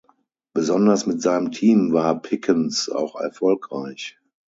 Besonders mit seinem Team war Pickens auch erfolgreich.